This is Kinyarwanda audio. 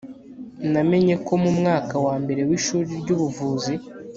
Namenye ko mu mwaka wa mbere wishuri ryubuvuzi